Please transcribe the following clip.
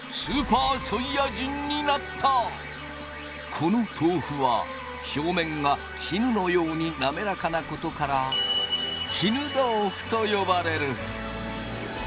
この豆腐は表面が絹のように滑らかなことから絹豆腐と呼ばれる。